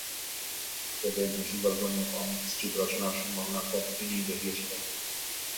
এতেই দেশি গল্প নিয়ে 'কমিক স্ট্রিপ' রচনার সম্ভাবনার পথ তিনিই দেখিয়েছিলেন।